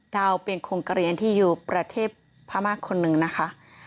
ด่าวเป็นคนเกรียร์ที่อยู่ประเทศพระม่าคนหนึ่งนะคะ